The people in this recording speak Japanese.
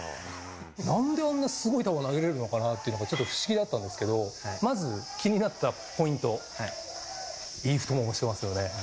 なんであんなすごい球、投げれるのかなっていうのが、ちょっと不思議だったんですけど、まず気になったポイント、ありがとうございます。